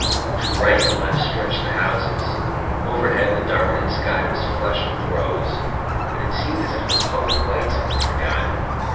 To right and left stretched the houses, overhead the darkening sky was flushed with rose; but it seemed as if the public lights had been forgotten.